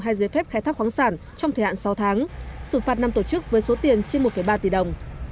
hay giới phép khai thác khoáng sản trong thời hạn sáu tháng xử phạt năm tổ chức với số tiền trên một ba tỷ đồng